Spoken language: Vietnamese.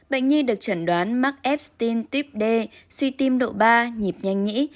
bệnh nhi được chẩn đoán mắc ép tin tuyếp d suy tim độ ba nhịp nhanh nhĩ